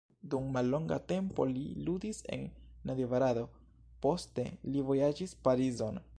Dum mallonga tempo li ludis en Nadjvarado, poste li vojaĝis Parizon.